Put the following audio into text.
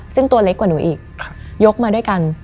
ซึ่งตัวเล็กกว่าหนูอีกยกมาด้วยกัน